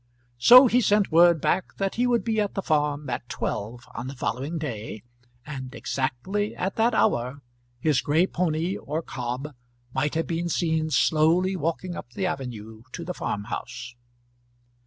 So he sent word back that he would be at the farm at twelve on the following day, and exactly at that hour his gray pony or cob might have been seen slowly walking up the avenue to the farm house.